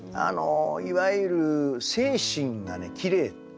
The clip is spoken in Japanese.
いわゆる精神がきれい。